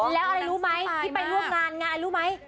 และนายรู้ไหมที่ไปร่วมงานรู้ไหม